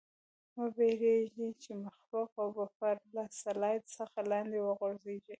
مه پرېږدئ چې مخلوط او بفر له سلایډ څخه لاندې وغورځيږي.